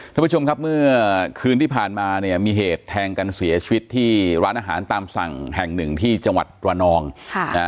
ท่านผู้ชมครับเมื่อคืนที่ผ่านมาเนี่ยมีเหตุแทงกันเสียชีวิตที่ร้านอาหารตามสั่งแห่งหนึ่งที่จังหวัดระนองค่ะนะฮะ